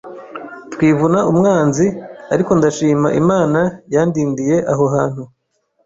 twivuna umwanzi ariko ndashima Imana yandindiye aho hantu